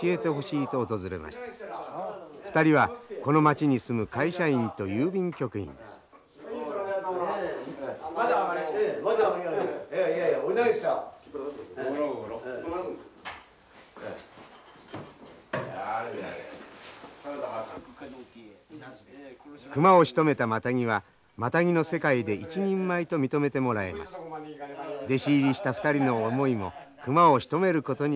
弟子入りした２人の思いも熊をしとめることにありました。